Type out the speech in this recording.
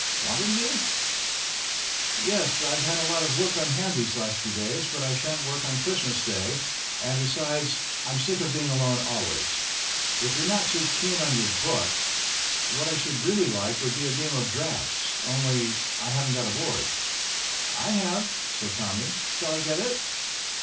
"Wanted me?" "Yes, I've had a lot of work on hand these last few days. But I shan't woik on Christmas Day, and, besides, I'm sick of being alone always. If you're not too keen on your book, what I should really like would be a game of draughts. Only, I haven't got a board." "I have," said Tommy. "Shall I get it?"